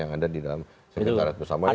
yang ada di dalam sementara bersama ya